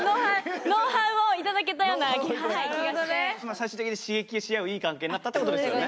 最終的に刺激しあういい関係になったってことですよね。